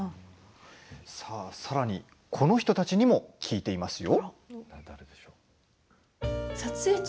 さらにこの人たちにも聞いていますよ。